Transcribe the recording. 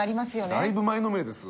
だいぶ前のめりです